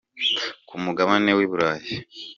Ku mugabane wi burayi